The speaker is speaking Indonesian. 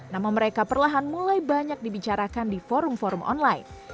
nama mereka perlahan mulai banyak dibicarakan di forum forum online